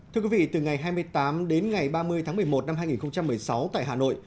thưa quý vị từ ngày hai mươi tám đến ngày ba mươi tháng một mươi một năm hai nghìn một mươi sáu tại hà nội